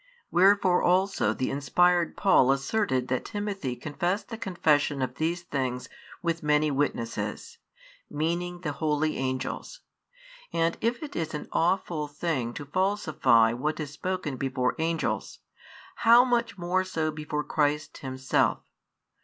Wherefore also the inspired Paul asserted that [Timothy] confessed the confession of these things with many witnesses, meaning the holy angels: and if it is an aweful thing to falsify what is spoken before angels, how much more so before Christ Himself?